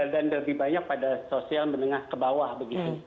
dan lebih banyak pada sosial menengah ke bawah begitu